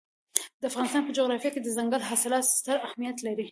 د افغانستان په جغرافیه کې دځنګل حاصلات ستر اهمیت لري.